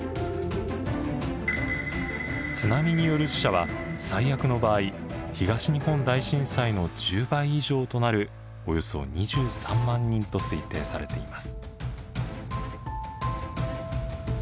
津波による死者は最悪の場合東日本大震災の１０倍以上となるおよそ２３万人と推定されています。